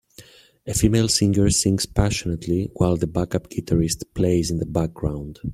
A female singer sings passionately while the backup guitarist plays in the background.